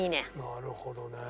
なるほどね。